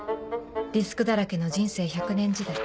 リスクだらけの人生１００年時代